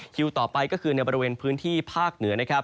คิวต่อไปก็คือในบริเวณพื้นที่ภาคเหนือนะครับ